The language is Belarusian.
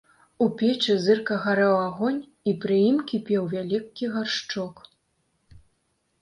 У печы зырка гарэў агонь і пры ім кіпеў вялікі гаршчок.